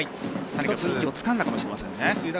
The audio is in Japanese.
何か一つ、つかんだかもしれませんね。